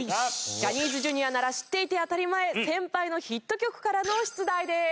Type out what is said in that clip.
ジャニーズＪｒ．なら知っていて当たり前先輩のヒット曲からの出題です。